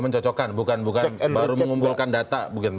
mencocokkan bukan baru mengumpulkan data